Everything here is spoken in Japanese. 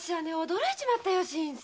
驚いちまったよ。